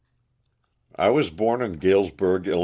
T WAS born in Galesburg, 111.